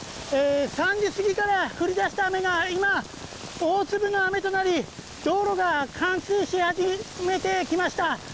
３時過ぎから降り出した雨が今、大粒の雨となり道路が冠水し始めてきました。